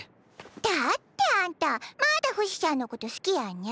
だってあんたまだフシしゃんのこと好きやんな。